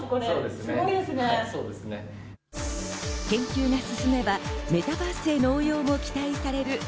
研究が進めばメタバースへの応用も期待される